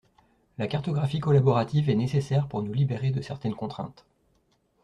La cartographie collaborative est nécessaire pour nous libérer de certaines contraintes.